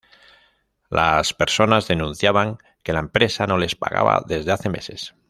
Las personas denunciaban que la empresa no les pagaba desde hace meses.